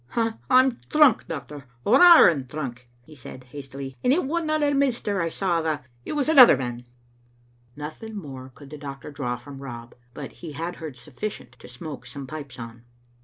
"I'm drunk, doctor, roaring drunk," he said, hastily, "and it wasna the minister I saw ava; it was another man." Nothing more could the doctor draw from Rob, but he had heard sufficient to smoke some pipes on.